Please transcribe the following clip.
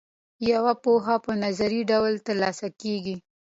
یوه پوهه په نظري ډول ترلاسه کیږي.